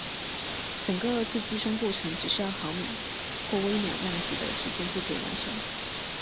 整个二次击穿过程只需要毫秒或微秒量级的时间就可以完成。